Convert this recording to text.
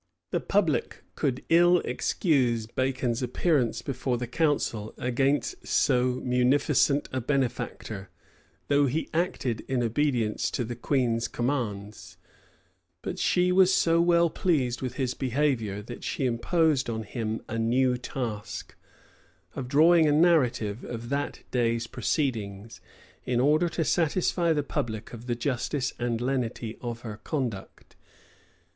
[*] The public could ill excuse Bacon's appearance before the council against so munificent a benefactor; though he acted in obedience to the queen's commands: but she was so well pleased with his behavior, that she imposed on him a new task, of drawing a narrative of that day's proceedings, in order to satisfy the public of the justice and lenity of her conduct.